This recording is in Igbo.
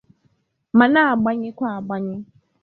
ma na-agbanwèkwa agbanwe